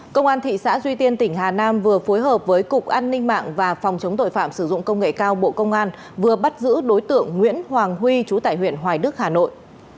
công an thị xã duy tiên tỉnh hà nam vừa phối hợp với cục an ninh mạng và phòng chống tội phạm sử dụng công nghệ cao bộ công an vừa bắt giữ đối tượng nguyễn hoàng huy trú tại huyện hoài đức hà nội